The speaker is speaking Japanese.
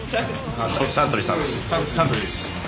サントリーです。